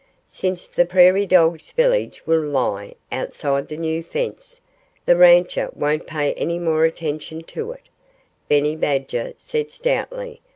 "Since the Prairie Dogs' village will lie outside the new fence, the rancher won't pay any more attention to it," Benny Badger said stoutly.